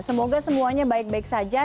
semoga semuanya baik baik saja